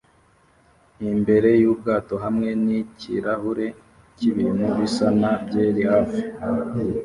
imbere yubwato hamwe nikirahure cyibintu bisa na byeri hafi